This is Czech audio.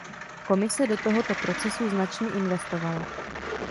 Komise do tohoto procesu značně investovala.